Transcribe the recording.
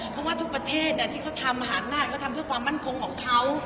เพราะว่าทุกประเทศที่เขาทำมหาอำนาจเขาทำเพื่อความมั่นคงของเขา